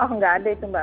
enggak ada itu mbak